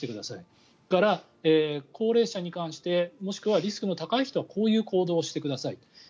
それから、高齢者に関してもしくはリスクの高い人はこういう行動をしてくださいと。